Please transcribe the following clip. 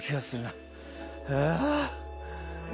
ああ。